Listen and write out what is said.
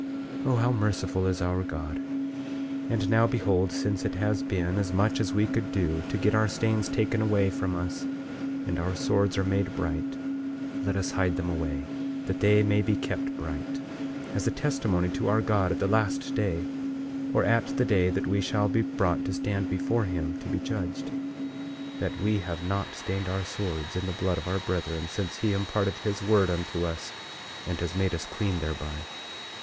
24:15 Oh, how merciful is our God! And now behold, since it has been as much as we could do to get our stains taken away from us, and our swords are made bright, let us hide them away that they may be kept bright, as a testimony to our God at the last day, or at the day that we shall be brought to stand before him to be judged, that we have not stained our swords in the blood of our brethren since he imparted his word unto us and has made us clean thereby.